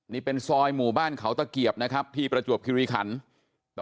นี่เป็นซอยหมู่บ้านเขาตะเกียบนะครับที่ประจวบคิริขัน